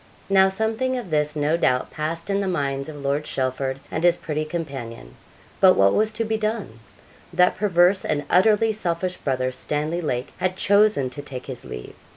Now something of this, no doubt, passed in the minds of Lord Chelford and his pretty companion. But what was to be done? That perverse and utterly selfish brother, Stanley Lake, had chosen to take his leave.